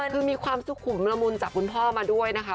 คือมีความสุขุมละมุนจากคุณพ่อมาด้วยนะคะ